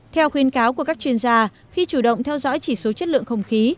theo khuyên cáo của các chuyên gia khi chủ động theo dõi chỉ số chất lượng không khí